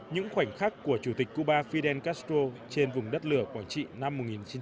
những khoảnh khắc của chủ tịch cuba fidel castro trên vùng đất lửa quảng trị năm một nghìn chín trăm bảy mươi